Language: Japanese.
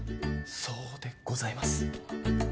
そうでございます。